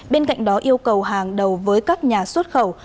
bên cạnh đó yêu cầu hàng đầu với các nhà xuất khẩu